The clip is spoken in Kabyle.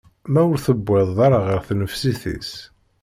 Ma ur tewwiḍeḍ ara ɣer tnefsit-is.